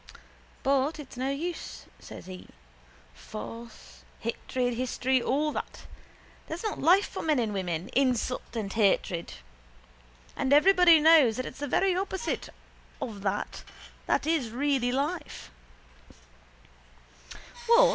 —But it's no use, says he. Force, hatred, history, all that. That's not life for men and women, insult and hatred. And everybody knows that it's the very opposite of that that is really life.